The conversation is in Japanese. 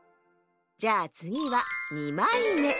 じゃあつぎは２まいめ。